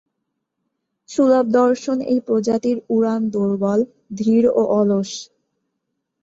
সুলভ-দর্শন এই প্রজাতির উড়ান দুর্বল, ধীর ও অলস।